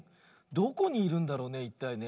どこにいるんだろうねいったいね。